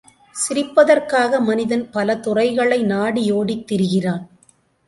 சிரிப்பதற்காக மனிதன் பலதுறைகளை நாடியோடித் திரிகிறான்.